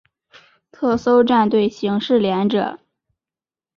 特搜战队刑事连者。